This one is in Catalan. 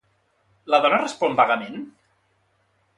La dona respon vagament?